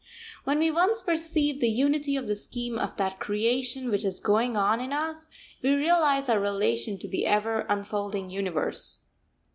When once we perceive the unity of the scheme of that creation which is going on in us, we realise our relation to the ever unfolding universe.